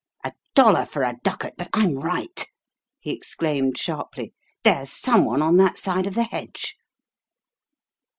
"A dollar for a ducat but I'm right!" he exclaimed sharply. "There's someone on that side of the hedge."